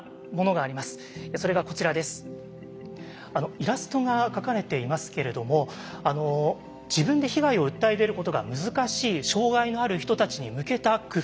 イラストが描かれていますけれども自分で被害を訴え出ることが難しい障害のある人たちに向けた工夫なんです。